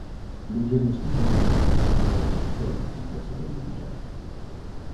Le diagnostic de phimosis doit être fait par du personnel médical.